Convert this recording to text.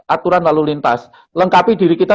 aturan lalu lintas lengkapi diri kita